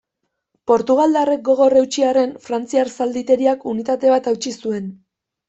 Portugaldarrek gogor eutsi arren frantziar zalditeriak unitate bat hautsi zuen.